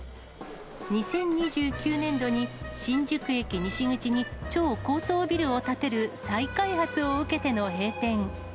２０２９年度に新宿駅西口に超高層ビルを建てる再開発を受けての閉店。